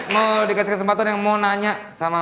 mau dikasih kesempatan yang mau nanya sama